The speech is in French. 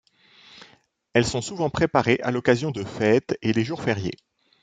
Elles sont souvent préparée à l'occasion de fêtes et les jours fériés.